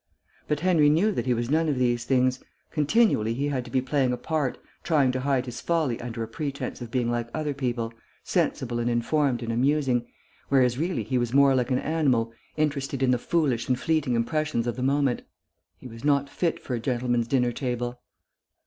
But Henry knew that he was none of these things; continually he had to be playing a part, trying to hide his folly under a pretence of being like other people, sensible and informed and amusing, whereas really he was more like an animal, interested in the foolish and fleeting impressions of the moment. He was not fit for a gentleman's dinner table.